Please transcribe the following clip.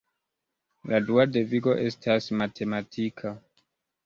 La dua devigo estas matematika.